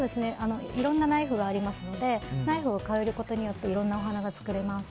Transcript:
いろんなナイフがありますのでナイフを変えることでいろんなお花が作れます。